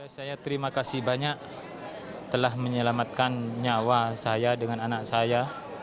saya terima kasih banyak telah menyelamatkan nyawa saya dengan anak saya